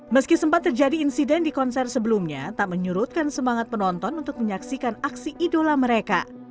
meski sempat terjadi insiden di konser sebelumnya tak menyurutkan semangat penonton untuk menyaksikan aksi idola mereka